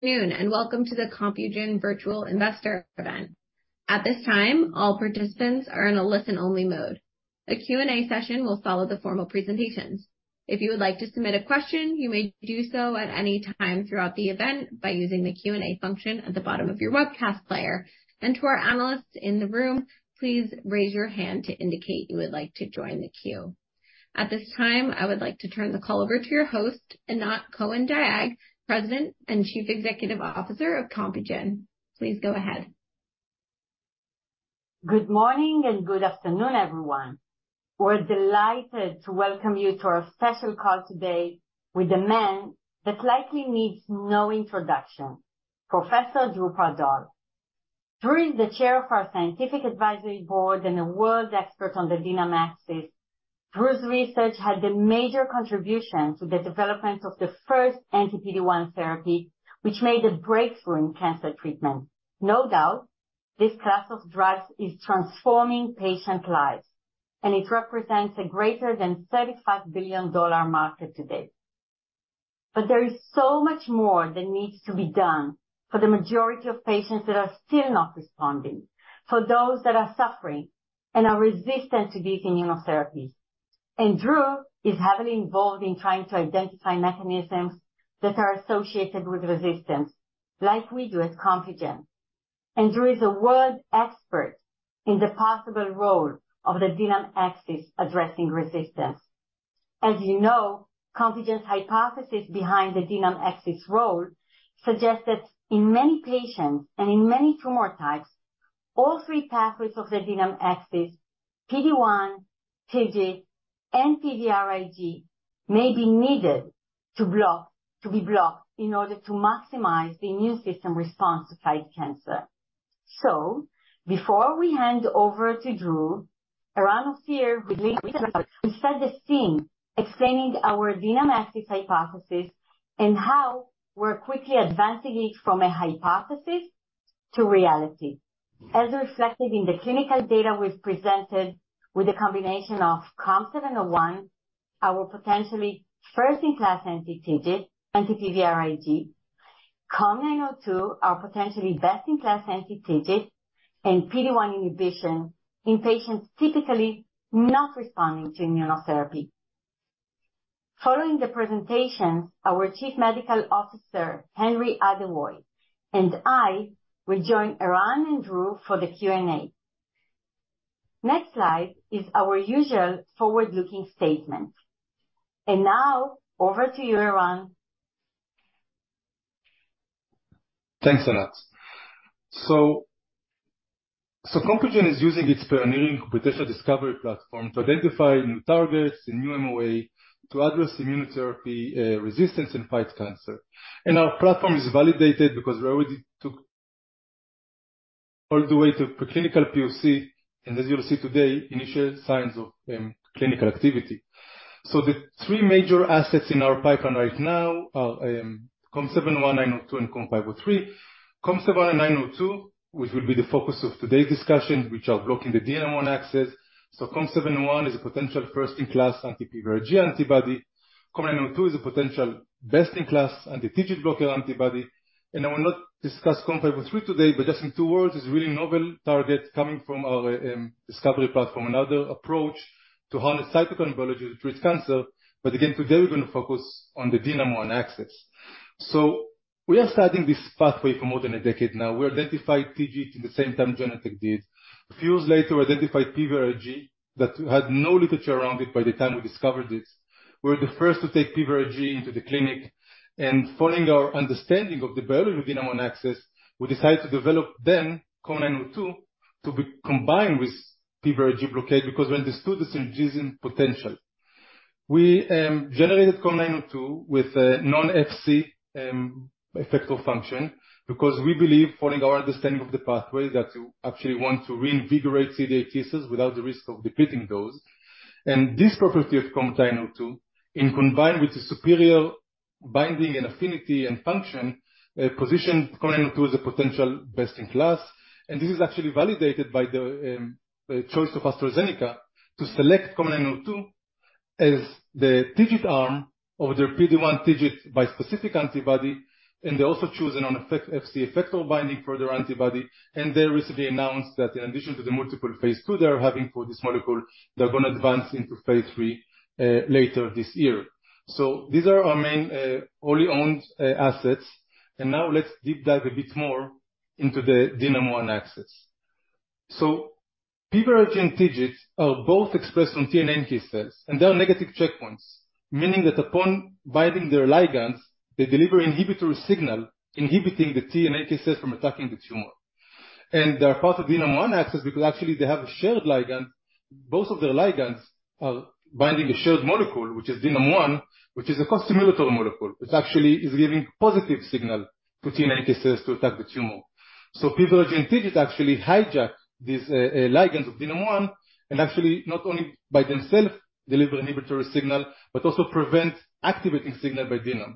Noon. Welcome to the Compugen virtual Investor event. At this time, all participants are in a listen-only mode. A Q&A session will follow the formal presentations. If you would like to submit a question, you may do so at any time throughout the event by using the Q&A function at the bottom of your webcast player. To our Analysts in the room, please raise your hand to indicate you would like to join the queue. At this time, I would like to turn the call over to your host, Anat Cohen-Dayag, President and Chief Executive Officer of Compugen. Please go ahead. Good morning and good afternoon, everyone. We're delighted to welcome you to our special call today with the man that likely needs no introduction, Professor Drew Pardoll. Drew is the Chair of our Scientific Advisory Board and a world expert on the DNAM-1 axis. Drew's research had a major contribution to the development of the first anti-PD-1 therapy which made a breakthrough in cancer treatment. No doubt, this class of drugs is transforming patient lives. It represents a greater than $35 billion market to date. There is so much more that needs to be done for the majority of patients that are still not responding, for those that are suffering and are resistant to these Immunotherapies. Drew is heavily involved in trying to identify mechanisms that are associated with resistance, like we do at Compugen. Drew is a world expert in the possible role of the DNAM-1 axis addressing resistance. As you know, Compugen's hypothesis behind the DNAM-1 axis role suggests that in many patients and in many tumor types, all three pathways of the DNAM-1 axis, PD-1, TIGIT, and PVRIG, may be needed to be blocked in order to maximize the immune system response to fight cancer. Before we hand over to Drew, Eran will set the scene explaining our DNAM-1 axis hypothesis and how we're quickly advancing it from a hypothesis to reality. As reflected in the clinical data we've presented with a combination of COM701, our potentially first-in-class anti-TIGIT, anti-PVRIG, COM902, our potentially best-in-class anti-TIGIT, and PD-1 inhibition in patients typically not responding to immunotherapy. Following the presentation, our Chief Medical Officer, Henry Adewoye, and I will join Eran and Drew for the Q&A. Next slide is our usual forward-looking statement. Now over to you, Eran. Thanks, Anat. Compugen is using its pioneering computational discovery platform to identify new targets and new MOA to address immunotherapy resistance and fight cancer. Our platform is validated because we already took all the way to preclinical POC, and as you'll see today, initial signs of clinical activity. The three major assets in our pipeline right now are COM701, 902, and COM503. COM701 and 902, which will be the focus of today's discussion, which are blocking the DNAM-1 axis. COM701 is a potential first-in-class anti-PVRIG antibody. COM902 is a potential best-in-class anti-TIGIT blocker antibody. I will not discuss COM503 today, but just in two words, it's really novel target coming from our discovery platform, another approach to harness cytokine biology to treat cancer. Again, today we're gonna focus on the DNAM-1 axis. We are studying this pathway for more than a decade now. We identified TIGIT the same time Genentech did. A few years later, identified PVRIG that had no literature around it by the time we discovered it. We're the first to take PVRIG into the clinic. Following our understanding of the biology of the DNAM-1 axis, we decided to develop then COM902 to be combined with PVRIG blockade because we understood the synergism potential. We generated COM902 with a non-Fc effector function because we believe following our understanding of the pathway that you actually want to reinvigorate CD8 T cells without the risk of depleting those. This property of COM902 in combined with the superior binding and affinity and function, positioned COM902 as a potential best-in-class. This is actually validated by the choice of AstraZeneca to select COM902 as the TIGIT arm of their PD-1/TIGIT bispecific antibody. They also chose a non-effect Fc effector binding for their antibody. They recently announced that in addition to the multiple phase ll they are having for this molecule, they're gonna advance into phase lll later this year. These are our main wholly owned assets. Now let's deep dive a bit more into the DNAM-1 axis. PVRIG and TIGIT are both expressed on T and NK cells, and they are negative checkpoints. Meaning that upon binding their ligands, they deliver inhibitory signal inhibiting the T and NK cells from attacking the tumor. They are part of DNAM-1 axis because actually they have a shared ligand. Both of their ligands are binding a shared molecule, which is DNAM-1, which is a costimulatory molecule, which actually is giving positive signal for T and NK cells to attack the tumor. PVRIG and TIGIT actually hijack these ligands of DNAM-1, and actually not only by themself deliver inhibitory signal but also prevent activating signal by DNAM-1.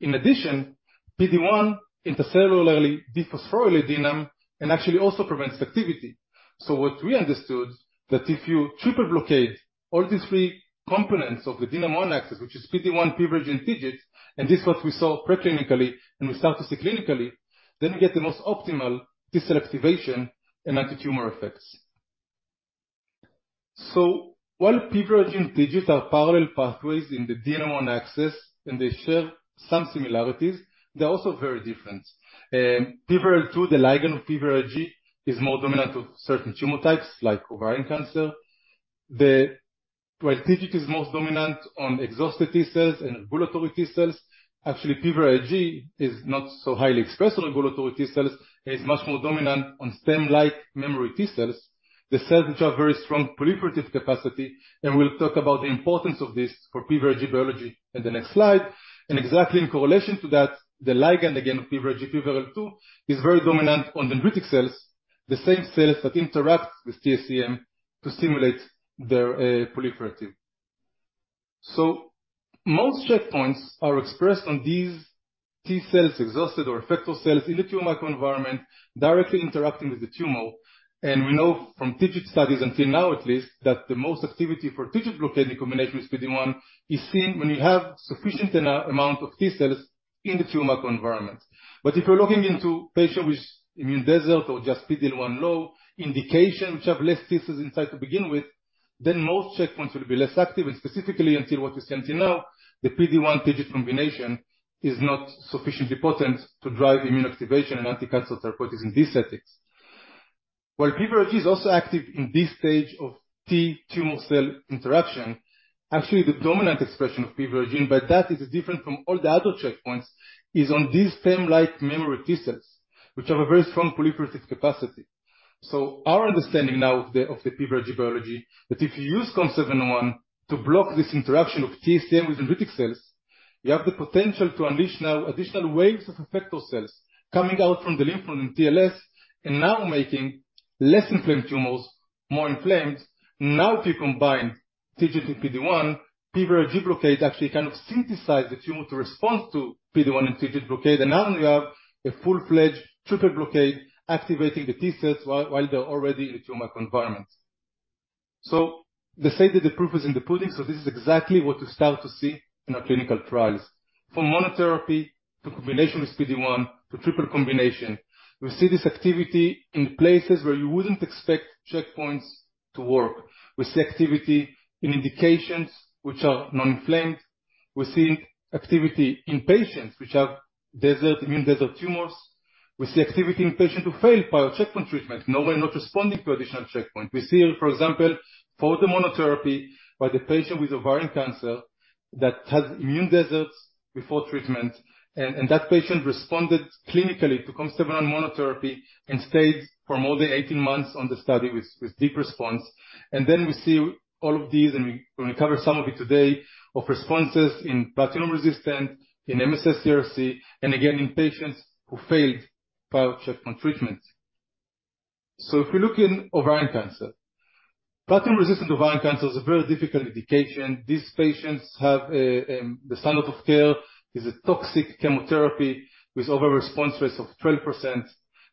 In addition, PD-1 intracellularly dephosphorylate DNAM-1 and actually also prevents activity. What we understood that if you triple blockade all these three components of the DNAM-1 axis, which is PD-1, PVRIG, and TIGIT, and this is what we saw preclinically and we started to see clinically. We get the most optimal T cell activation and antitumor effects. While PVRIG and TIGIT are parallel pathways in the DNAM-1 axis, and they share some similarities, they're also very different. PVRIG 2, the ligand of PVRIG, is more dominant to certain tumor types, like Ovarian Cancer. While TIGIT is most dominant on exhausted T cells and regulatory T cells, actually PVRIG is not so highly expressed on regulatory T cells, and it's much more dominant on stem-like memory T cells, the cells which have very strong proliferative capacity. We'll talk about the importance of this for PVRIG biology in the next slide. Exactly in correlation to that, the ligand, again, of PVRIG, PVRL2, is very dominant on Dendritic Cells, the same cells that interact with TSM to stimulate their proliferative. Most checkpoints are expressed on these T cells, exhausted or effector cells in the Tumor Microenvironment directly interacting with the tumor. We know from TIGIT studies until now, at least, that the most activity for TIGIT blockade in combination with PD-1 is seen when you have sufficient enough amount of T cells in the tumor microenvironment. If you're looking into patient with immune desert or just PD-L1 low indication, which have less T cells inside to begin with, then most checkpoints will be less active. Specifically, until what we've seen till now, the PD-1 TIGIT combination is not sufficiently potent to drive immune activation and Anti-Cancer Therapies in these settings. While PVRIG is also active in this stage of T tumor cell interaction, actually the dominant expression of PVRIG, but that is different from all the other checkpoints, is on these stem-like memory T cells, which have a very strong proliferative capacity. Our understanding now of the PVRIG biology, that if you use COM701 to block this interaction of TSM with dendritic cells, you have the potential to unleash now additional waves of effector cells coming out from the Lymph Node in TLS and now making less inflamed tumors more inflamed. If you combine TIGIT with PD-1, PVRIG blockade actually kind of sensitize the tumor to respond to PD-1 and TIGIT blockade. Now you have a full-fledged triple blockade activating the T cells while they're already in the tumor microenvironment. They say that the proof is in the pudding, so this is exactly what we start to see in our clinical trials. From Monotherapy to combination with PD-1 to triple combination. We see this activity in places where you wouldn't expect checkpoints to work. We see activity in indications which are non-inflamed. We're seeing activity in patients which have desert, immune desert tumors. We see activity in patients who failed prior checkpoint treatment, normally not responding to additional checkpoint. We see it, for example, for the Monotherapy, where the patient with Ovarian Cancer that had immune deserts before treatment, and that patient responded clinically to COM701 Monotherapy and stayed for more than 18 months on the study with deep response. We see all of these, and we're gonna cover some of it today, of responses in platinum-resistant, in MSS-CRC, again, in patients who failed prior checkpoint treatment. If we look in Ovarian Cancer. Platinum-resistant Ovarian Cancer is a very difficult indication. These patients have the standard of care is a toxic chemotherapy with over response rates of 12%.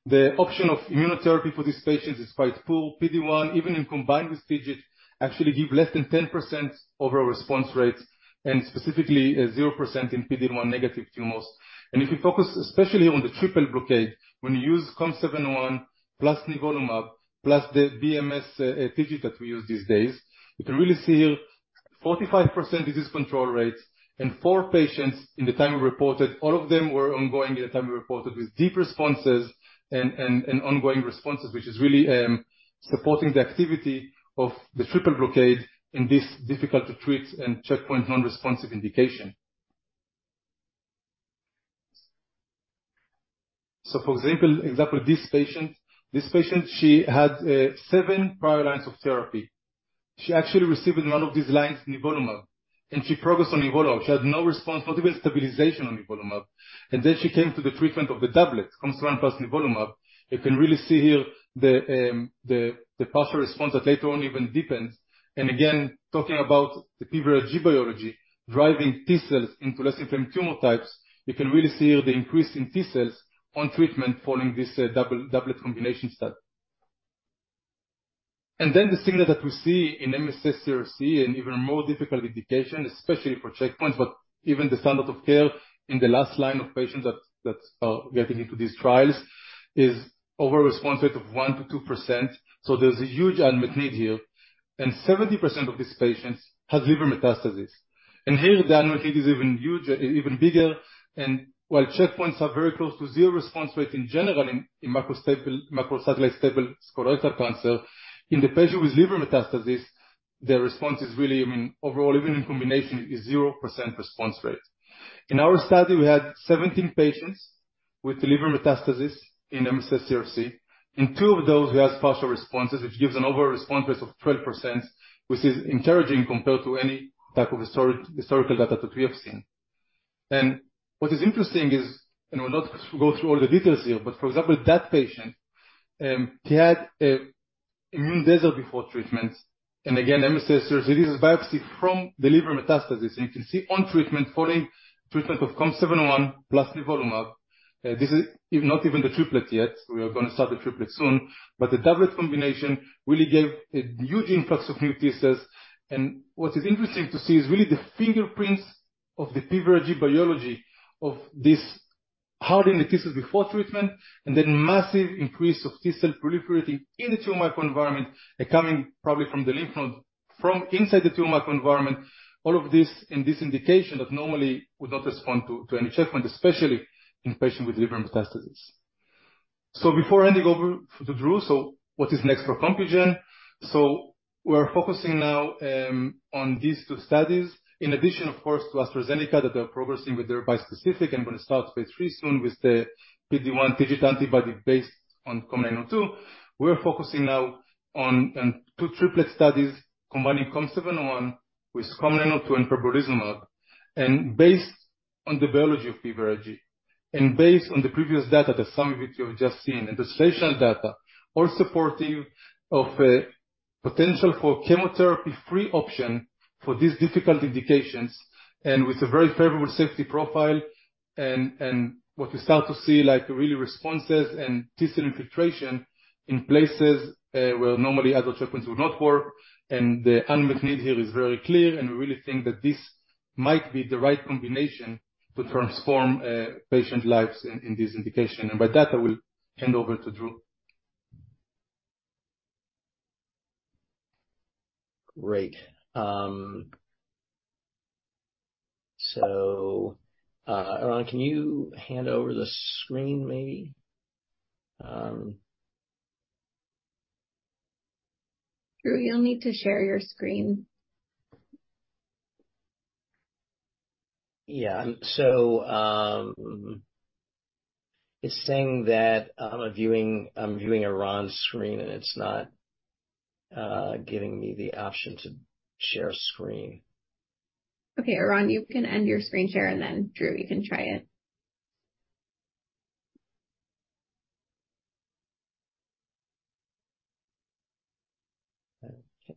The option of immunotherapy for these patients is quite poor. PD-1, even in combined with TIGIT, actually give less than 10% overall response rate and specifically 0% in PD-1 negative tumors. If you focus especially on the triple blockade, when you use COM701 plus nivolumab plus the BMS TIGIT that we use these days, you can really see here 45% disease control rates. Four patients in the time we reported, all of them were ongoing at the time we reported with deep responses and ongoing responses, which is really supporting the activity of the triple blockade in this difficult to treat and checkpoint-nonresponsive indication. For example, this patient. This patient, she had seven prior lines of therapy. She actually received in one of these lines nivolumab, and she progressed on nivolumab. She had no response, not even stabilization on nivolumab. Then she came to the treatment of the doublet COM701 plus nivolumab. You can really see here the partial response that later on even deepens. Again, talking about the PVRIG biology, driving T cells into less inflamed tumor types. You can really see the increase in T cells on treatment following this doublet combination study. The signal that we see in MSS-CRC, an even more difficult indication, especially for checkpoints, but even the standard of care in the last line of patients that are getting into these trials is over response rate of 1%-2%. There's a huge unmet need here. 70% of these patients have liver metastases. Here the unmet need is even huge, even bigger. Checkpoints are very close to 0% response rate in general in Microsatellite stable Colorectal Cancer, in the patient with Liver Metastases, their response is really, I mean, overall, even in combination, is 0% response rate. In our study, we had 17 patients with liver metastases in MSS-CRC. In two of those, we have partial responses, which gives an overall response rate of 12%, which is encouraging compared to any type of historical data that we have seen. What is interesting is, we'll not go through all the details here, but for example, that patient, she had a immune desert before treatment. Again, MSS-CRC, this is biopsy from the liver metastases. You can see on treatment, following treatment of COM701 plus nivolumab, this is not even the triplet yet. We are gonna start the triplet soon. The doublet combination really gave a huge influx of new T cells. What is interesting to see is really the fingerprints of the PVRIG biology of this in the T cell before treatment, and then massive increase of T cell proliferating in the tumor microenvironment and coming probably from the Lymph Node from inside the tumor microenvironment. All of this in this indication that normally would not respond to any treatment, especially in patients with liver metastases. Before handing over to Drew, what is next for Compugen? We're focusing now on these two studies. In addition, of course, to AstraZeneca that they are progressing with their bispecific and going to start phase three soon with the PD-1 TIGIT antibody based on COM902. We're focusing now on two triplet studies combining COM701 with COM902 and pembrolizumab. Based on the biology of PVRIG and based on the previous data that some of it you have just seen, and the translational data, all supportive of a potential for chemotherapy-free option for these difficult indications and with a very favorable safety profile and what you start to see, like, really responses and T cell infiltration in places where normally other treatments would not work. The unmet need here is very clear, and we really think that this might be the right combination to transform patient lives in this indication. With that, I will hand over to Drew. Great. Eran, can you hand over the screen, maybe? Drew, you'll need to share your screen. Yeah. It's saying that I'm viewing Eran's screen, and it's not giving me the option to share screen. Okay. Eran, you can end your screen share. Drew, you can try it. Okay.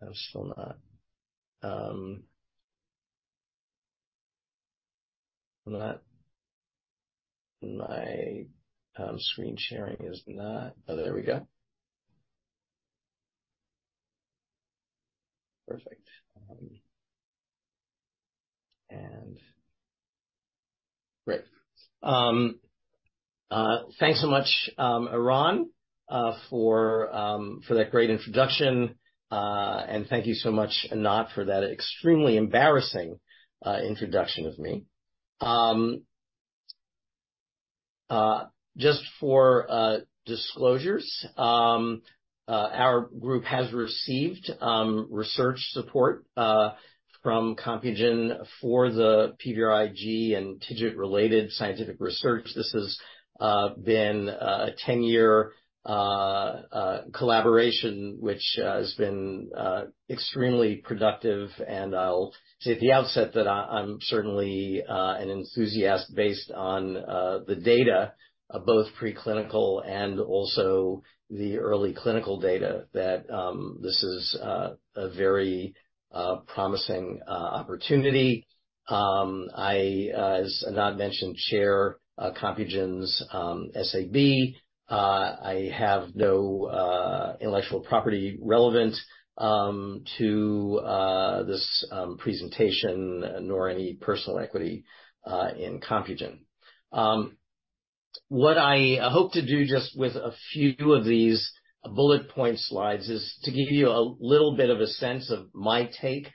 I'm still not. My screen sharing is not. Oh, there we go. Perfect. Great. Thanks so much, Eran, for that great introduction. Thank you so much, Anat, for that extremely embarrassing introduction of me. Just for disclosures. Our group has received research support from Compugen for the PVRIG and TIGIT-related scientific research. This has been a 10-year collaboration which has been extremely productive, and I'll say at the outset that I am certainly an enthusiast based on the data, both preclinical and also the early clinical data, that this is a very promising opportunity. I, as Anat mentioned, chair Compugen's SAB. I have no intellectual property relevant to this presentation nor any personal equity in Compugen. What I hope to do just with a few of these bullet point slides is to give you a little bit of a sense of my take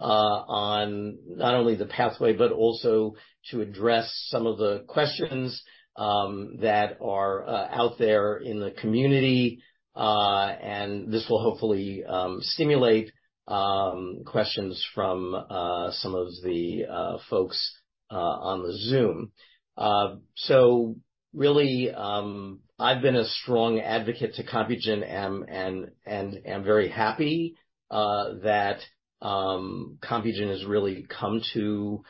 on not only the pathway but also to address some of the questions that are out there in the community. This will hopefully stimulate questions from some of the folks on the Zoom. Really, I've been a strong advocate to Compugen and am very happy that Compugen has really come to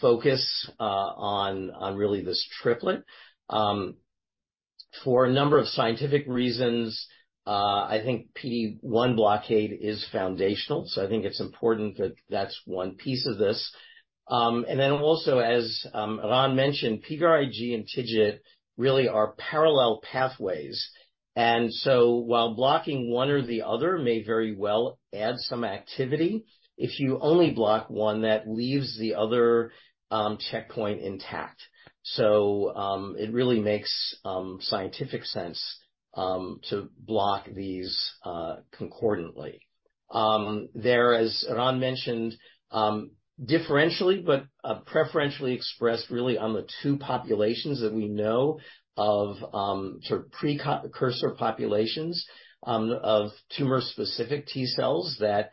focus on really this triplet. For a number of scientific reasons, I think PD-1 blockade is foundational, so I think it's important that that's one piece of this. Also, as Eran mentioned, PVRIG and TIGIT really are parallel pathways. While blocking one or the other may very well add some activity, if you only block one, that leaves the other checkpoint intact. It really makes scientific sense to block these concordantly. There as Eran mentioned, differentially but preferentially expressed really on the two populations that we know of, sort of precursor populations of tumor-specific T cells that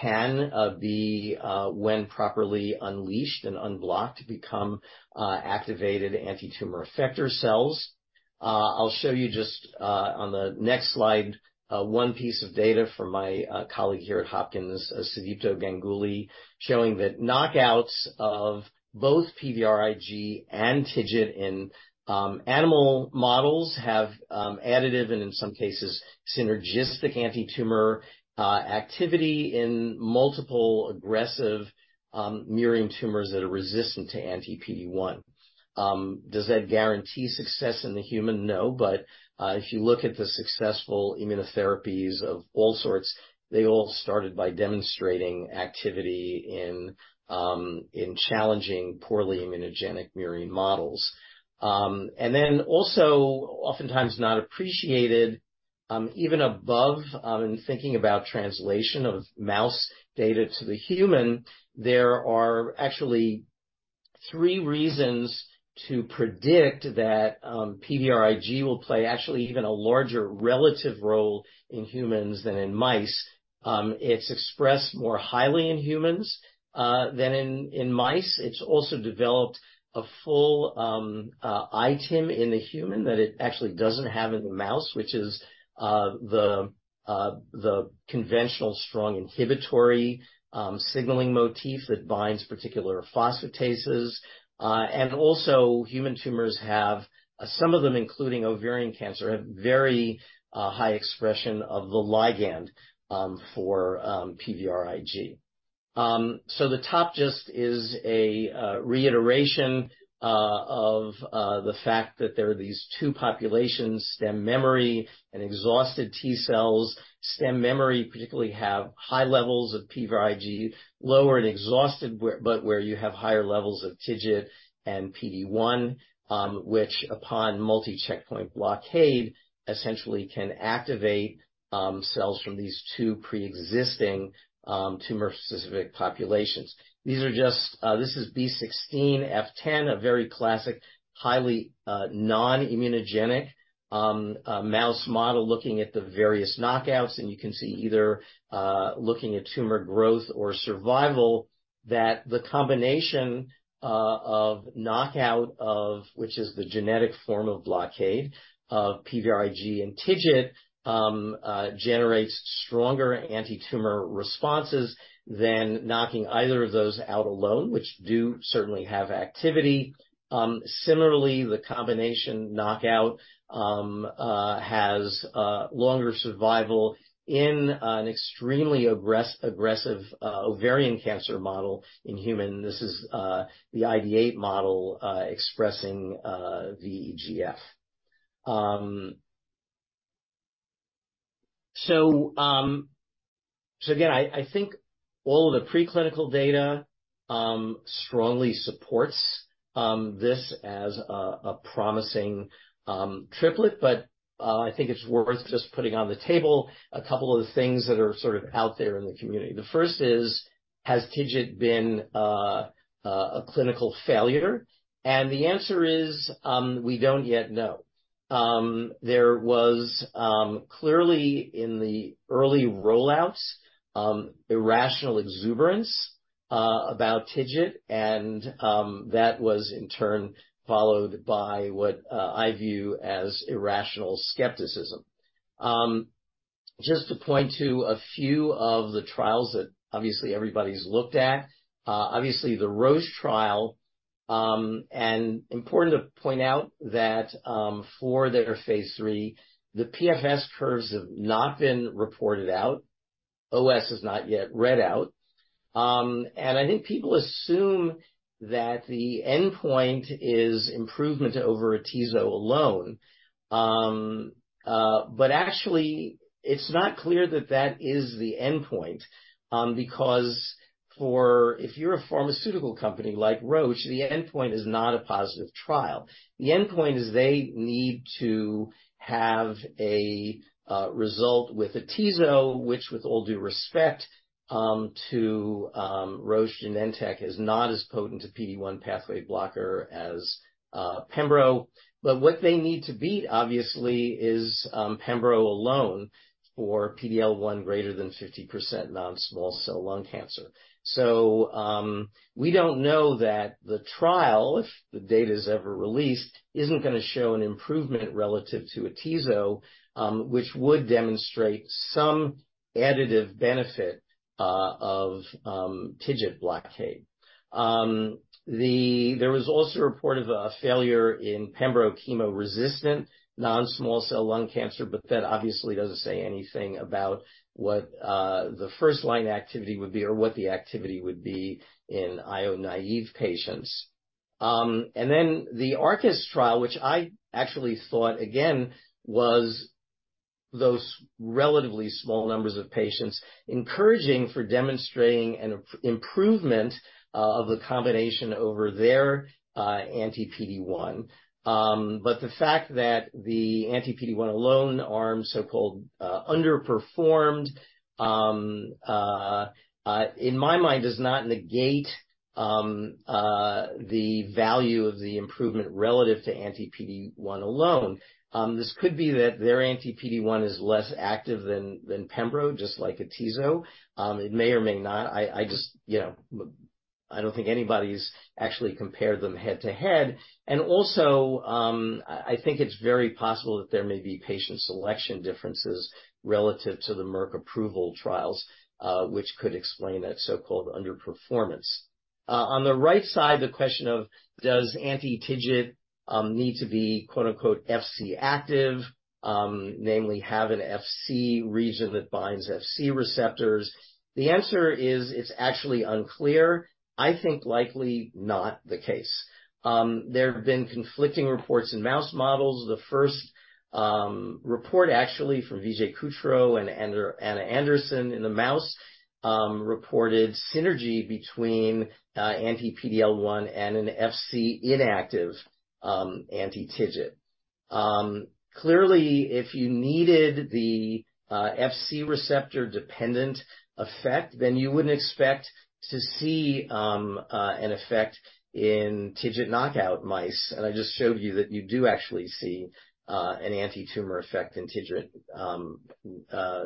can be when properly unleashed and unblocked, become activated antitumor effector cells. I'll show you just on the next slide, one piece of data from my colleague here at Hopkins, Sudipto Ganguly, showing that knockouts of both PVRIG and TIGIT in animal models have additive and in some cases synergistic antitumor activity in multiple aggressive mirroring tumors that are resistant to anti-PD-1. Does that guarantee success in the human? No. If you look at the successful immunotherapies of all sorts, they all started by demonstrating activity in challenging poorly immunogenic murine models. Then also oftentimes not appreciated, even above, in thinking about translation of mouse data to the human, there are actually three reasons to predict that PVRIG will play actually even a larger relative role in humans than in mice. It's expressed more highly in humans than in mice. It's also developed a full item in the human that it actually doesn't have in the mouse, which is the conventional strong inhibitory signaling motif that binds particular phosphatases. Also human tumors have, some of them, including Ovarian Cancer, have very high expression of the ligand for PVRIG. The top just is a reiteration of the fact that there are these two populations, stem memory and exhausted T cells. Stem memory particularly have high levels of PVRIG, lower and exhausted where, but where you have higher levels of TIGIT and PD-1, which upon multi-checkpoint blockade, essentially can activate cells from these two pre-existing tumor-specific populations. This is B16-F10, a very classic, highly non-immunogenic mouse model looking at the various knockouts. You can see either looking at tumor growth or survival, that the combination of knockout of, which is the genetic form of blockade of PVRIG and TIGIT, generates stronger antitumor responses than knocking either of those out alone, which do certainly have activity. Similarly, the combination knockout has longer survival in an extremely aggressive Ovarian Cancer model in human. This is the ID8 model expressing VEGF. Again, I think all the preclinical data strongly supports this as a promising triplet. I think it's worth just putting on the table a couple of the things that are sort of out there in the community. The first is, has TIGIT been a clinical failure? The answer is, we don't yet know. There was clearly in the early roll-outs irrational exuberance about TIGIT, that was in turn followed by what I view as irrational skepticism. Just to point to a few of the trials that obviously everybody's looked at. Obviously the Roche trial, and important to point out that for their phase three, the PFS curves have not been reported out. OS is not yet read out. I think people assume that the endpoint is improvement over atezo alone. Actually, it's not clear that that is the endpoint, because if you're a pharmaceutical company like Roche, the endpoint is not a positive trial. The endpoint is they need to have a result with atezolizumab, which with all due respect, to Roche and Genentech, is not as potent a PD-1 pathway blocker as pembrolizumab. What they need to beat, obviously, is pembrolizumab alone for PD-L1 greater than 50% non-small cell lung cancer. We don't know that the trial, if the data is ever released, isn't gonna show an improvement relative to atezolizumab, which would demonstrate some additive benefit of TIGIT blockade. There was also a report of a failure in pembrolizumab chemo-resistant non-small cell lung cancer, that obviously doesn't say anything about what the first-line activity would be or what the activity would be in IO-naive patients. Then the Arcus trial, which I actually thought again, was those relatively small numbers of patients encouraging for demonstrating an improvement of the combination over their anti-PD-1. The fact that the anti-PD-1 alone arm so-called underperformed in my mind does not negate the value of the improvement relative to anti-PD-1 alone. This could be that their anti-PD-1 is less active than pembro, just like atezo. It may or may not. You know, I don't think anybody's actually compared them head-to-head. Also, I think it's very possible that there may be patient selection differences relative to the Merck approval trials, which could explain that so-called underperformance. On the right side, the question of does anti-TIGIT need to be quote-unquote, "Fc active," namely have an Fc region that binds Fc receptors. The answer is, it's actually unclear. I think likely not the case. There have been conflicting reports in mouse models. The first report actually from Vijay Kuchroo and Anna Anderson in the mouse reported synergy between anti-PD-L1 and an Fc inactive anti-TIGIT. Clearly, if you needed the Fc receptor-dependent effect, then you wouldn't expect to see an effect in TIGIT knockout mice. I just showed you that you do actually see an antitumor effect in TIGIT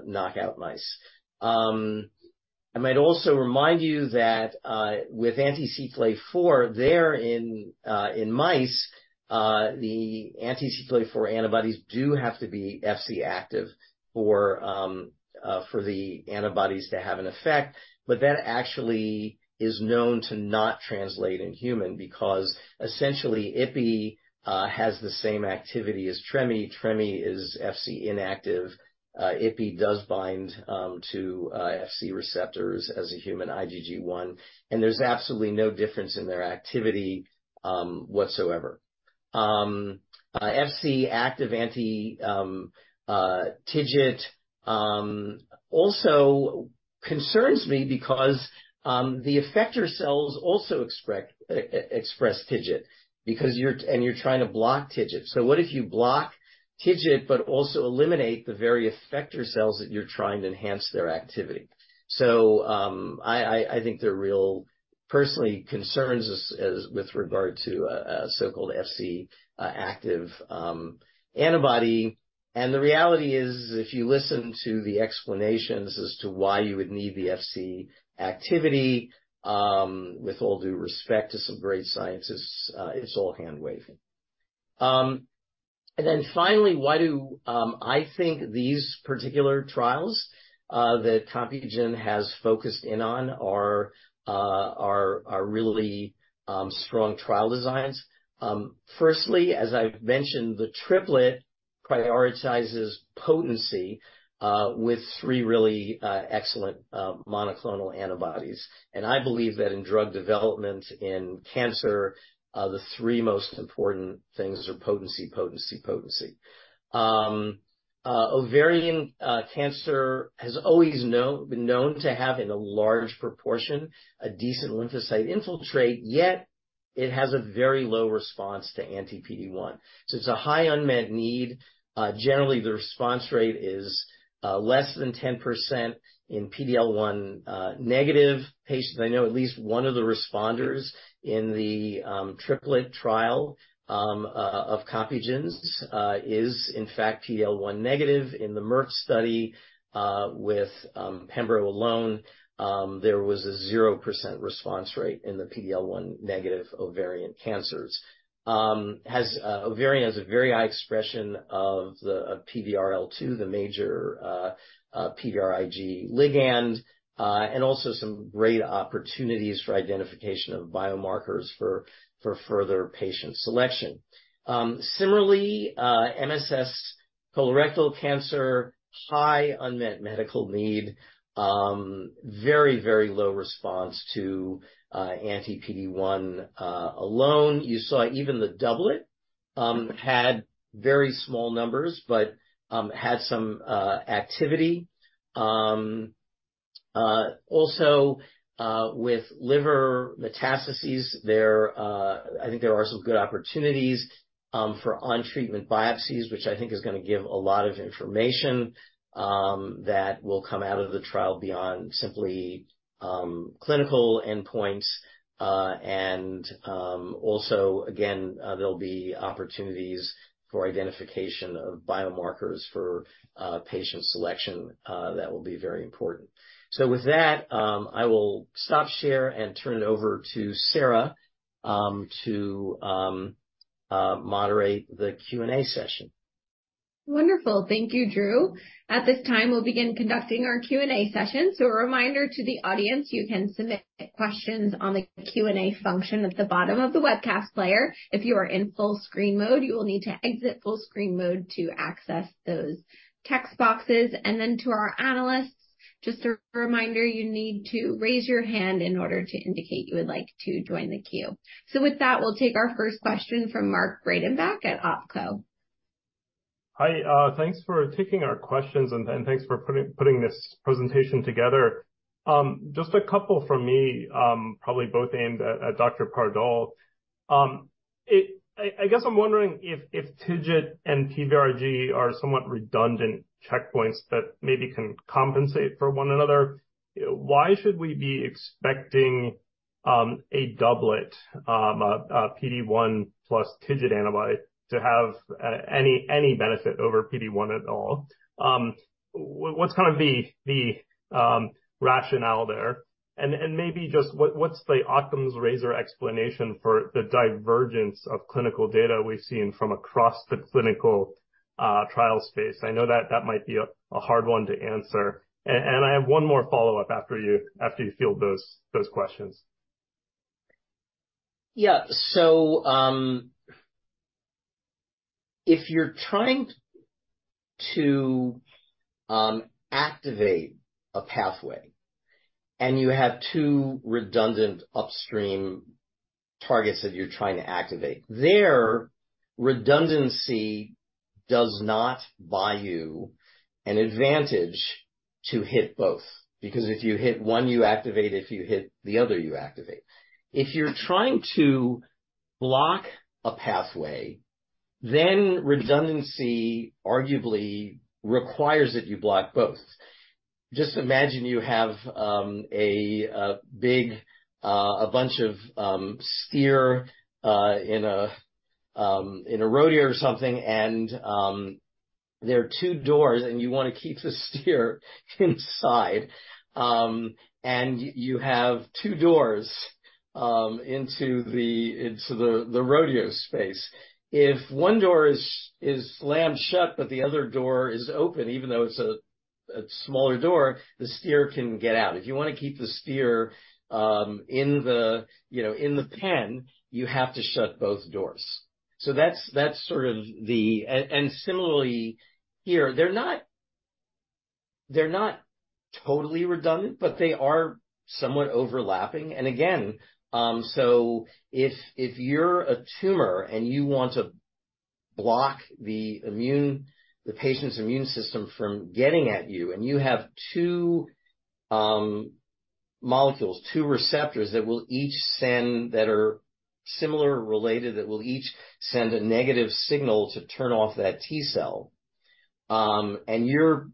knockout mice. I might also remind you that with anti-CTLA-4 there in mice, the anti-CTLA-4 antibodies do have to be Fc active for the antibodies to have an effect. That actually is known to not translate in human because essentially Ipi has the same activity as Trem. Trem is Fc inactive. Ipi does bind to Fc receptors as a human IgG1, and there's absolutely no difference in their activity whatsoever. Fc active anti-TIGIT also concerns me because the effector cells also express TIGIT because you're trying to block TIGIT. What if you block TIGIT but also eliminate the very effector cells that you're trying to enhance their activity? I think they're real personally concerns as with regard to a so-called FC active antibody. The reality is, if you listen to the explanations as to why you would need the FC activity, with all due respect to some great scientists, it's all hand-waving. Finally, why do I think these particular trials that Compugen has focused in on are really strong trial designs? Firstly, as I've mentioned, the triplet prioritizes potency with three really excellent monoclonal antibodies. I believe that in drug development in cancer, the three most important things are potency, potency. Ovarian Cancer has always been known to have, in a large proportion, a decent lymphocyte infiltrate, yet it has a very low response to anti-PD-1. it's a high unmet need. Generally, the response rate is less than 10% in PD-L1 negative patients. I know at least one of the responders in the triplet trial of Compugen's is in fact PD-L1 negative. In the Merck study with pembro alone, there was a 0% response rate in the PD-L1 negative Ovarian Cancers. Ovarian has a very high expression of PD-L2, the major PVRIG ligand, and also some great opportunities for identification of biomarkers for further patient selection. Similarly, MSS colorectal cancer, high unmet medical need. Very, very low response to anti-PD-1 alone. You saw even the doublet had very small numbers but had some activity. Also, with liver metastases there, I think there are some good opportunities, for on-treatment biopsies, which I think is gonna give a lot of information, that will come out of the trial beyond simply, clinical endpoints. Also, again, there'll be opportunities for identification of biomarkers for patient selection that will be very important. With that, I will stop share and turn it over to Sarah to moderate the Q&A session. Wonderful. Thank you, Drew. At this time, we'll begin conducting our Q&A session. A reminder to the audience, you can submit questions on the Q&A function at the bottom of the webcast player. If you are in full screen mode, you will need to exit full screen mode to access those text boxes. To our Analysts, just a reminder, you need to raise your hand in order to indicate you would like to join the queue. With that, we'll take our first question from Mark Breidenbach at Oppenheimer & Co.. Hi. Thanks for taking our questions and thanks for putting this presentation together. Just a couple from me, probably both aimed at Dr. Pardoll. I guess I'm wondering if TIGIT and PVRIG are somewhat redundant checkpoints that maybe can compensate for one another. Why should we be expecting a doublet, a PD-1 plus TIGIT antibody to have any benefit over PD-1 at all? What's kind of the rationale there? Maybe just what's the Occam's razor explanation for the divergence of clinical data we've seen from across the clinical trial space? I know that that might be a hard one to answer. I have one more follow-up after you after you field those questions. Yeah. If you're trying to activate a pathway, and you have two redundant upstream targets that you're trying to activate. There, redundancy does not buy you an advantage to hit both because if you hit one, you activate, if you hit the other, you activate. If you're trying to block a pathway, redundancy arguably requires that you block both. Just imagine you have a big, a bunch of steer in a rodeo or something, and there are two doors, and you wanna keep the steer inside, and you have two doors into the rodeo space. If one door is slammed shut, but the other door is open, even though it's a smaller door, the steer can get out. If you wanna keep the steer, in the, you know, in the pen, you have to shut both doors. That's sort of the... Similarly here, they're not, they're not totally redundant, but they are somewhat overlapping. Again, if you're a tumor, and you want to block the patient's immune system from getting at you, and you have two molecules, two receptors that are similar or related that will each send a negative signal to turn off that T cell, and you're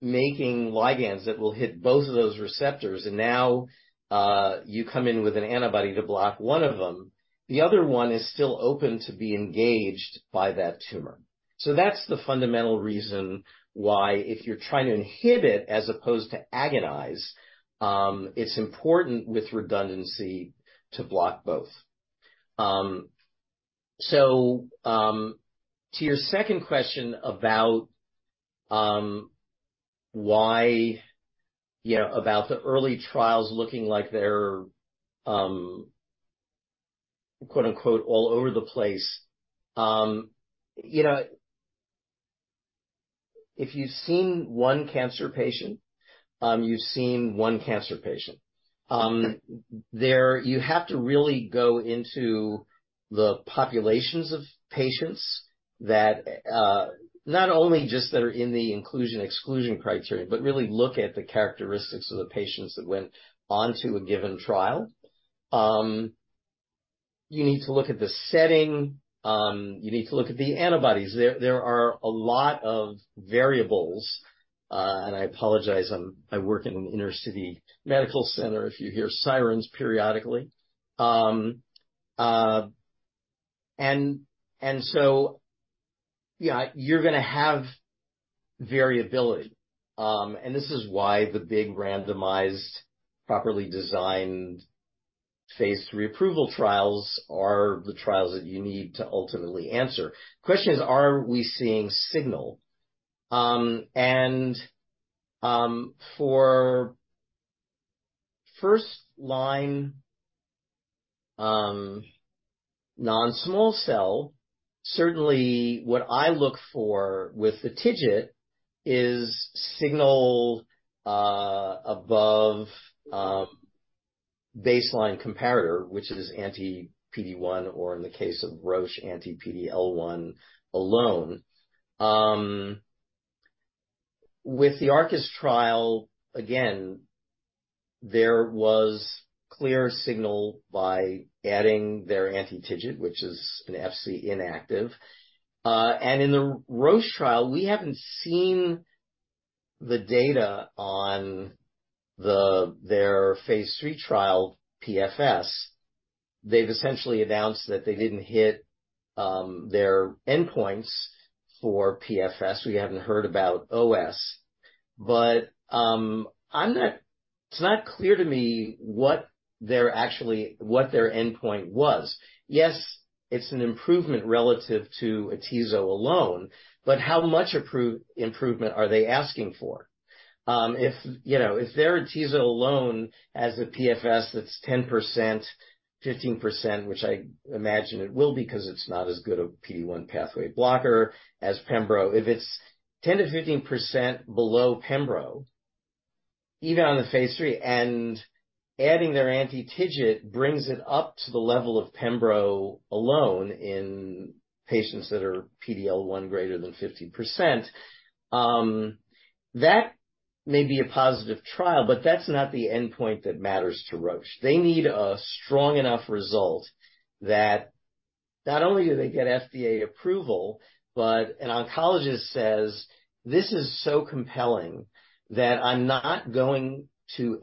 making ligands that will hit both of those receptors, you come in with an antibody to block one of them, the other one is still open to be engaged by that tumor. That's the fundamental reason why if you're trying to inhibit as opposed to agonize, it's important with redundancy to block both. To your second question about why, you know, about the early trials looking like they're, quote-unquote, "all over the place." You know, if you've seen one cancer patient, you've seen one cancer patient. There you have to really go into the populations of patients that, not only just that are in the inclusion/exclusion criteria but really look at the characteristics of the patients that went onto a given trial. You need to look at the setting. You need to look at the antibodies. There are a lot of variables. I apologize, I work in an inner-city medical center. If you hear sirens periodically. Yeah, you're gonna have variability. This is why the big randomized, properly designed phase three approval trials are the trials that you need to ultimately answer. The question is, are we seeing signal? For first-line non-small cell, certainly what I look for with the TIGIT is signal above baseline comparator, which is anti-PD-1, or in the case of Roche, anti-PD-L1 alone. With the Arcus trial, again, there was clear signal by adding their anti-TIGIT, which is an Fc-inactive. In the Roche trial, we haven't seen the data on their phase three trial PFS. They've essentially announced that they didn't hit their endpoints for PFS. We haven't heard about OS, but it's not clear to me what they're what their endpoint was. Yes, it's an improvement relative to Atezo alone, how much improvement are they asking for? If, you know, if their Atezo alone has a PFS that's 10%-15%, which I imagine it will be because it's not as good a PD-1 pathway blocker as pembro. If it's 10%-15% below pembro, even on the phase lll, and adding their anti-TIGIT brings it up to the level of pembro alone in patients that are PD-L1 greater than 50%, that may be a positive trial, that's not the endpoint that matters to Roche. They need a strong enough result that not only do they get FDA approval, An oncologist says, "This is so compelling that I'm not going to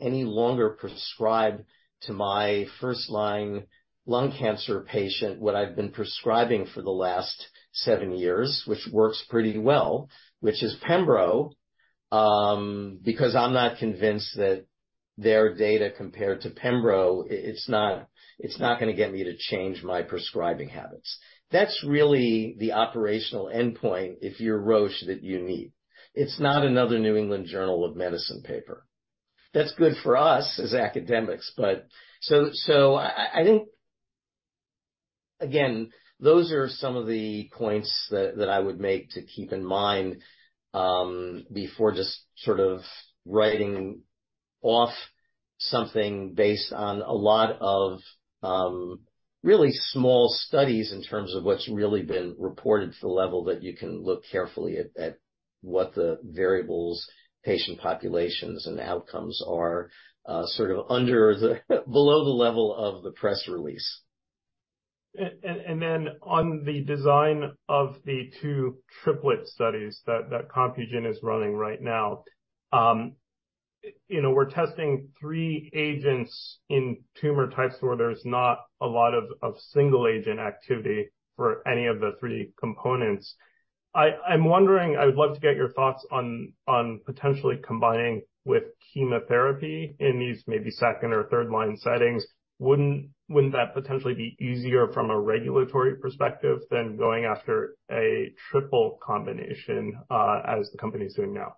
any longer prescribe to my first-line lung cancer patient what I've been prescribing for the last seven years, which works pretty well, which is pembro. Because I'm not convinced that their data compared to pembro, it's not gonna get me to change my prescribing habits." That's really the operational endpoint, if you're Roche, that you need. It's not another The New England Journal of Medicine paper. That's good for us as academics, but... I think, again, those are some of the points that I would make to keep in mind, before just sort of writing off something based on a lot of, really small studies in terms of what's really been reported to the level that you can look carefully at what the variables, patient populations, and outcomes are, sort of under the below the level of the press release. On the design of the two triplet studies that Compugen is running right now, you know, we're testing three agents in tumor types where there's not a lot of single agent activity for any of the three components. I'm wondering, I would love to get your thoughts on potentially combining with chemotherapy in these maybe second or third line settings. Wouldn't that potentially be easier from a regulatory perspective than going after a triple combination, as the company is doing now?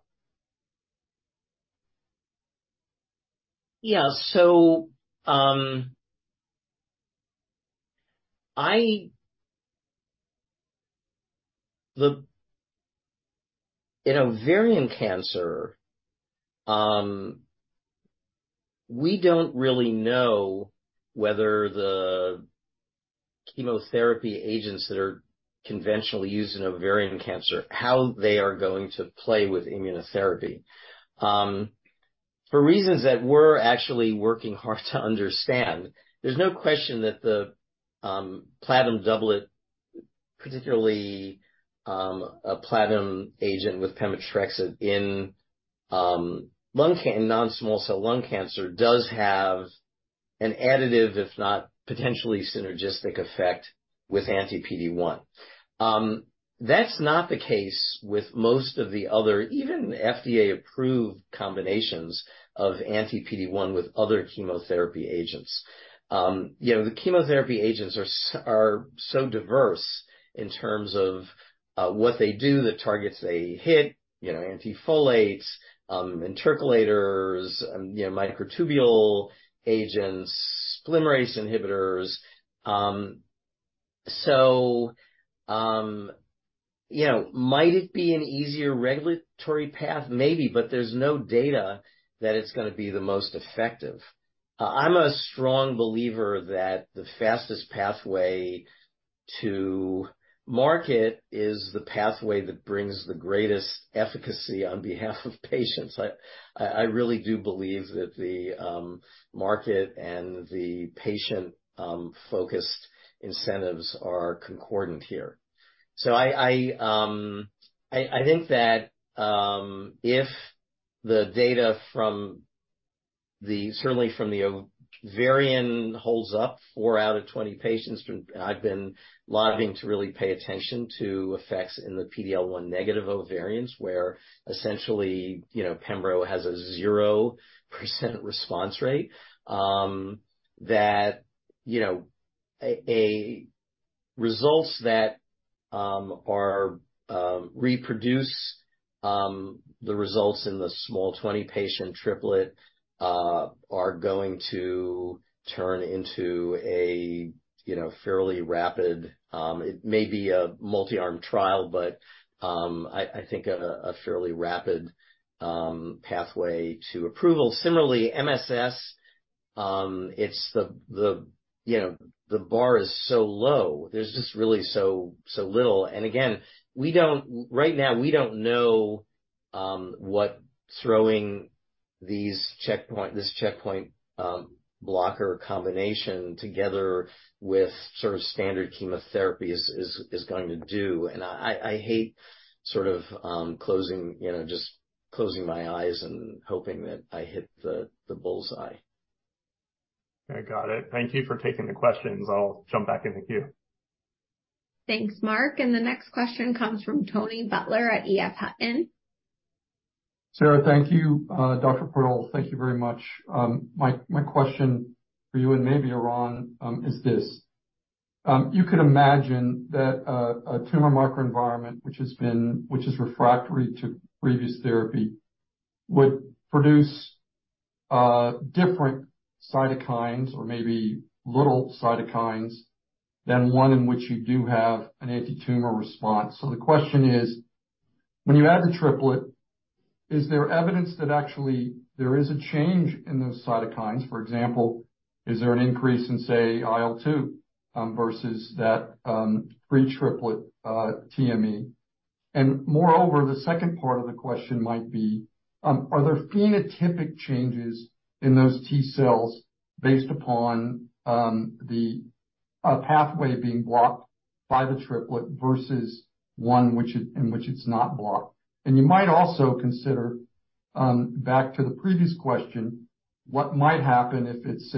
Yeah. In Ovarian Cancer, we don't really know whether the chemotherapy agents that are conventionally used in Ovarian Cancer, how they are going to play with immunotherapy. For reasons that we're actually working hard to understand, there's no question that the platinum doublet, particularly, a platinum agent with pemetrexed in non-small cell lung cancer does have an additive, if not potentially synergistic effect with anti-PD-1. That's not the case with most of the other, even FDA-approved combinations of anti-PD-1 with other chemotherapy agents. You know, the chemotherapy agents are so diverse in terms of what they do, the targets they hit. You know, antifolates, intercalators, you know, microtubule agents, polymerase inhibitors. You know, might it be an easier regulatory path? Maybe, there's no data that it's gonna be the most effective. I'm a strong believer that the fastest pathway to market is the pathway that brings the greatest efficacy on behalf of patients. I really do believe that the market and the patient focused incentives are concordant here. I think that if the data from the certainly from the ovarian holds up four out of 20 patients, and I've been lobbying to really pay attention to effects in the PD-L1 negative ovarians, where essentially, you know, pembro has a 0% response rate. That, you know, results that are reproduce the results in the small 20-patient triplet are going to turn into a, you know, fairly rapid. It may be a multi-arm trial, but I think a fairly rapid pathway to approval. Similarly, MSS, it's the, you know, the bar is so low. There's just really so little. Again, right now, we don't know what throwing this checkpoint blocker combination together with sort of standard chemotherapy is going to do. I hate sort of closing, you know, just closing my eyes and hoping that I hit the bullseye. I got it. Thank you for taking the questions. I'll jump back into queue. Thanks, Mark. The next question comes from Tony Butler at EF Hutton. Sarah, thank you. Dr. Pardoll, thank you very much. My, my question for you and maybe Eran, is this. You could imagine that a tumor microenvironment which is refractory to previous therapy, would produce different cytokines or maybe little cytokines than one in which you do have an antitumor response. The question is, when you add the triplet, is there evidence that actually there is a change in those cytokines? For example, is there an increase in, say, IL-2 versus that pre-triplet TME? Moreover, the second part of the question might be, are there phenotypic changes in those T cells based upon the pathway being blocked by the triplet versus one in which it's not blocked? You might also consider, back to the previous question, what might happen if it's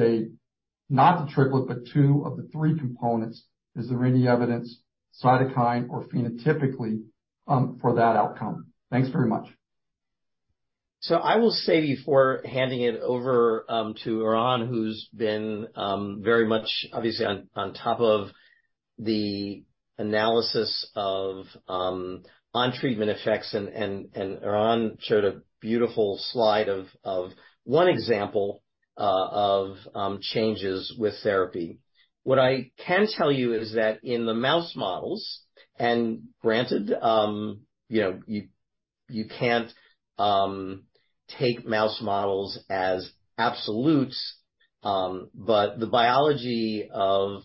not the triplet, but two of the three components. Is there any evidence, cytokine or phenotypically, for that outcome? Thanks very much. I will say before handing it over to Eran, who's been very much obviously on top of the analysis of on treatment effects and Eran showed a beautiful slide of one example of changes with therapy. What I can tell you is that in the mouse models, and granted, you know, you can't take mouse models as absolutes, but the biology of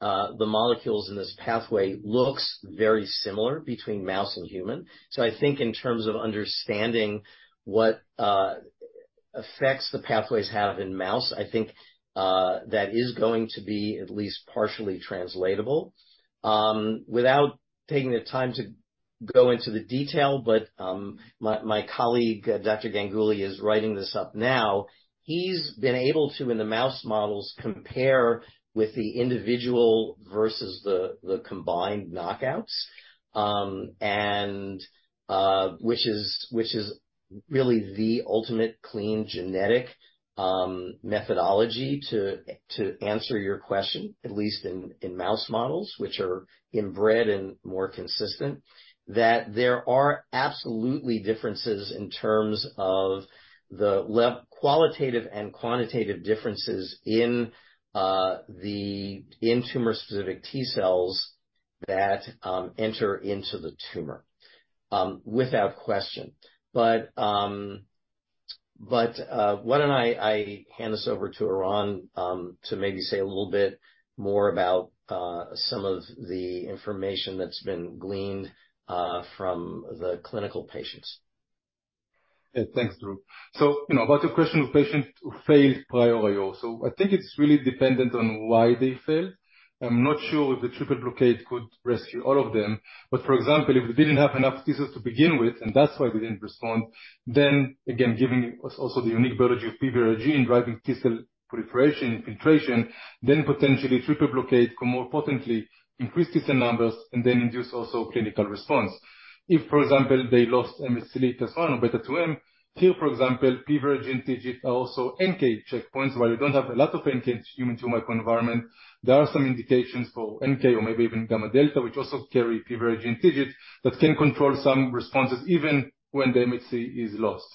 the molecules in this pathway looks very similar between mouse and human. I think in terms of understanding what effects the pathways have in mouse, I think that is going to be at least partially translatable. Without taking the time to go into the detail, but my colleague, Dr. Ganguly, is writing this up now. He's been able to, in the mouse models, compare with the individual versus the combined knockouts. Which is really the ultimate clean genetic methodology to answer your question, at least in mouse models, which are inbred and more consistent. There are absolutely differences in terms of qualitative and quantitative differences in the in-tumor specific T cells that enter into the tumor. Without question. Why don't I hand this over to Eran to maybe say a little bit more about some of the information that's been gleaned from the clinical patients. Thanks, Drew. You know, about the question of patients who failed prior IO. I think it's really dependent on why they failed. I'm not sure if the triple blockade could rescue all of them. For example, if we didn't have enough T cells to begin with, and that's why we didn't respond, again, given also the unique biology of PVR gene driving T cell proliferation and infiltration, potentially triple blockade could more potently increase T cell numbers and then induce also clinical response. If, for example, they lost MHC as well or Beta-2 M, here, for example, PVR gene TIGIT are also NK checkpoints. While you don't have a lot of NK human tumor microenvironment, there are some indications for NK or maybe even gamma delta, which also carry PVR gene TIGIT, that can control some responses even when the MHC is lost.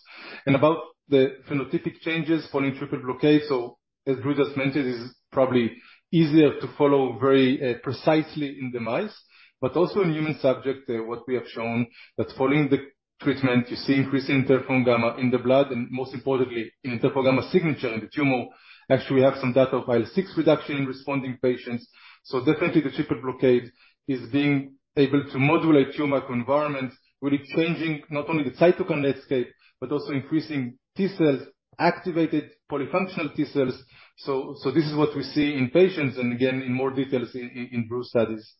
About the phenotypic changes following triple blockade, as Drew just mentioned, is probably easier to follow very precisely in the mice, but also in human subject, what we have shown that following the treatment, you see increase in Interferon gamma in the blood, and most importantly, in Interferon gamma signature in the tumor. Actually, we have some data of IL-6 reduction in responding patients. Definitely the triple blockade is being able to modulate tumor microenvironment, really changing not only the Cytokine landscape, but also increasing T cells, activated Polyfunctional T cells. This is what we see in patients, and again, in more details in Drew's studies.